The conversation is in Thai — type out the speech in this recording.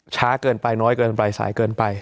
ช้าเกินไปน้อยเกินไปสายเกินไป